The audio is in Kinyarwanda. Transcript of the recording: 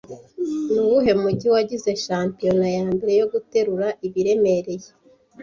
ni uwuhe mujyi wagize shampiyona yambere yo guterura ibiremereye